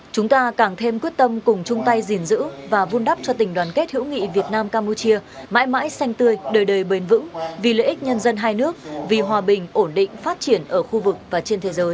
chúng ta càng thêm quyết tâm cùng chung tay gìn giữ và vun đắp cho tình đoàn kết hữu nghị việt nam campuchia mãi mãi xanh tươi đời đời bền vững vì lợi ích nhân dân hai nước vì hòa bình ổn định phát triển ở khu vực và trên thế giới